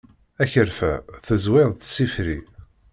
Akerfa tezwiḍ-t s ifri.